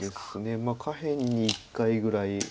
まあ下辺に１回ぐらい。